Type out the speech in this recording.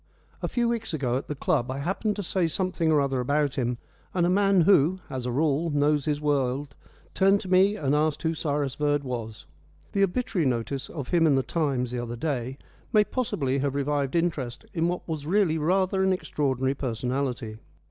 A few weeks ago at the club I happened to say something or other about him, and a man who, as a rule, knows his world turned to me and asked who Cyrus Verd was. The obituary notice of him in the Times the other day may possibly have revived interest in what was really rather an extraordinary personality.